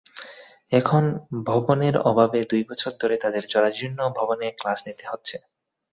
এখন ভবনের অভাবে দুই বছর ধরে তাঁদের জরাজীর্ণ ভবনে ক্লাস নিতে হচ্ছে।